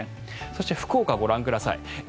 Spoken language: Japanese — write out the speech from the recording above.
そして福岡ご覧ください。